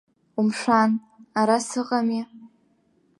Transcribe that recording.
Умшәан, ара сыҟами!